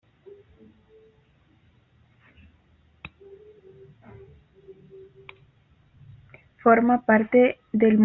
Forma parte del monasterio homónimo.